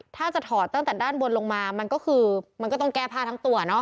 ถ้าจะถอดตั้งแต่ด้านบนลงมามันก็ต้องแก้พาทั้งตัว